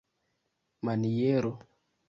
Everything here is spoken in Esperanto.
maniero